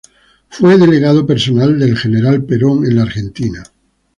Fue delegado personal del General Perón en la Argentina.